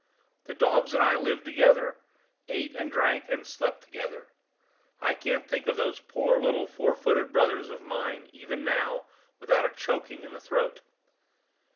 The dogs and I lived together, ate, and drank, and slept together. I can't think of those poor little four footed brothers of mine, even now, without a choking in the throat.